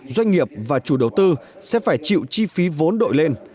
doanh nghiệp và chủ đầu tư sẽ phải chịu chi phí vốn đội lên